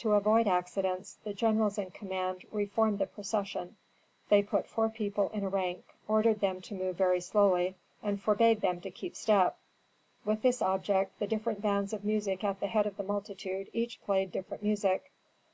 To avoid accidents the generals in command reformed the procession; they put four people in a rank, ordered them to move very slowly and forbade them to keep step. With this object the different bands of music at the head of the multitude each played different music.